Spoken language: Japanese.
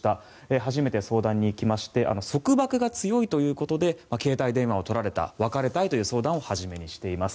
初めて相談に来まして束縛が強いということで携帯電話を取られた別れたいという相談を初めにしています。